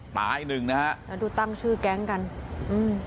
ตายหนึ่งนะฮะแล้วดูตั้งชื่อแก๊งกันอืม